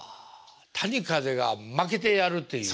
谷風が負けてやるっていう。